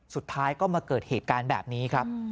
สุดท้ายก็มาเกิดเหตุการณ์แบบนี้ครับ